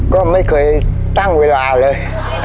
ก็ไม่เคยตั้งเวลาเลย